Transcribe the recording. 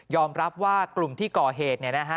รับว่ากลุ่มที่ก่อเหตุ